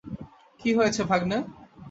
কী হয়েছে, ভাগ্নে?